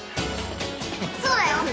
そうだよ。